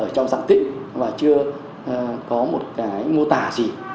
trong sản tích và chưa có một mô tả gì